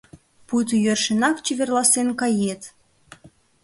Пуйто йӧршынак чеверласен кает...